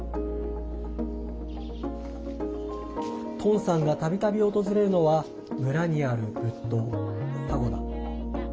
トンさんがたびたび訪れるのは村にある仏塔、パゴダ。